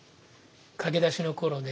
駆け出しの頃ね